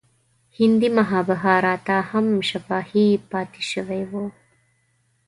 هندي مهابهاراتا هم شفاهي پاتې شوی و.